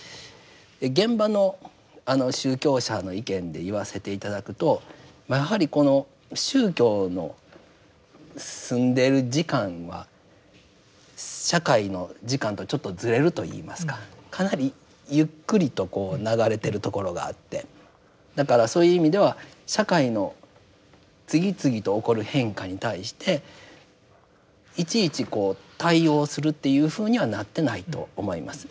現場の宗教者の意見で言わせて頂くとやはりこの宗教の住んでいる時間は社会の時間とちょっとずれるといいますかかなりゆっくりとこう流れているところがあってだからそういう意味では社会の次々と起こる変化に対していちいちこう対応するっていうふうにはなってないと思います。